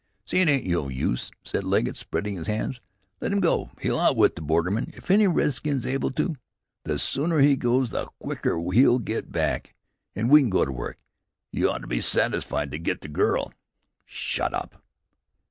"See? It ain't no use," said Legget, spreading out his hands, "Let him go. He'll outwit the bordermen if any redskin's able to. The sooner he goes the quicker he'll git back, an' we can go to work. You ought'er be satisfied to git the girl " "Shut up!"